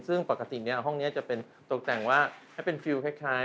ซึ่งปกติห้องนี้จะเป็นตกแต่งว่าให้เป็นฟิลคล้าย